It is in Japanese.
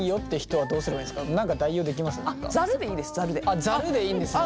あっざるでいいんですね。